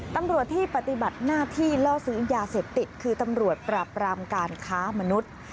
ตำรวจที่ปฏิบัติหน้าที่ล่อซื้อยาเสพติดคือตำรวจปราบรามการค้ามนุษย์